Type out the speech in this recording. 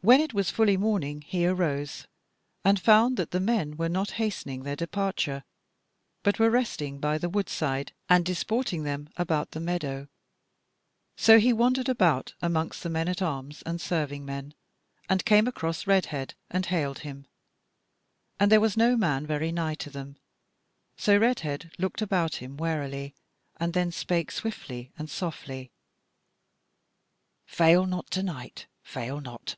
When it was fully morning he arose, and found that the men were not hastening their departure, but were resting by the wood side and disporting them about the meadow; so he wandered about amongst the men at arms and serving men, and came across Redhead and hailed him; and there was no man very nigh to them; so Redhead looked about him warily, and then spake swiftly and softly: "Fail not to night! fail not!